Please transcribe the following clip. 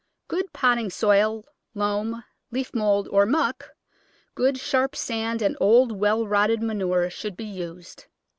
Good potting soil, loam, leaf mould, or muck, good sharp sand and old, well rotted manure should be used.